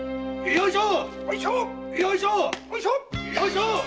よいしょ！